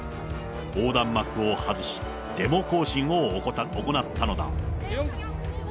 横断幕を外し、デモ行進を行ったのだ。